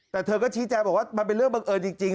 แต่เธอก็ชี้แจงบอกว่ามันเป็นเรื่องบังเอิญจริง